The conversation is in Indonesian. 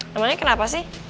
namanya kenapa sih